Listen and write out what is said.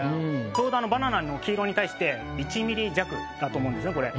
ちょうどバナナの黄色に対して１ミリ弱だと思うんですこれ。